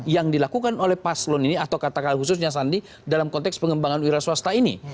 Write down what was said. yang dilakukan oleh paslon ini atau katakanlah khususnya sandi dalam konteks pengembangan wira swasta ini